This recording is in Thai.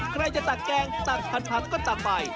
ใครจะตักแกงตักพันก็ตักไป